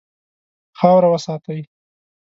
خاوره وساتئ.